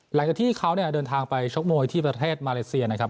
หลังจากที่เขาเนี่ยเดินทางไปชกมวยที่ประเทศมาเลเซียนะครับ